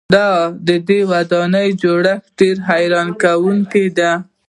د دې ودانۍ جوړښت ډېر حیرانوونکی دی.